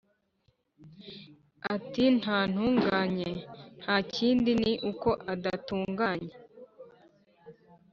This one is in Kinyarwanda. Ati “Ntatunganye, nta kindi ni uko adatunganye.”